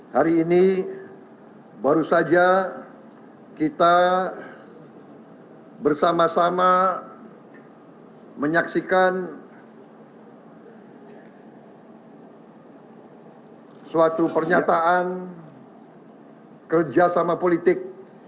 hari ini baru saja kita bersama sama menyaksikan suatu pernyataan kerjasama politik